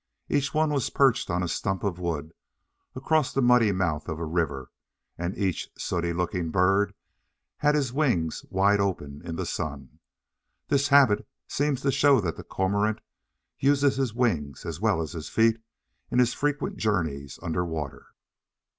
Each one was perched on a stump of wood, across the muddy mouth of a river, and each sooty looking bird had his wings wide open in the sun. This habit seems to show that the Cormorant uses his wings, as well as his feet, in his frequent journeys under water.